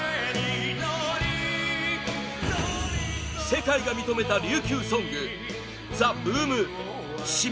世界が認めた琉球ソング ＴＨＥＢＯＯＭ、「島唄」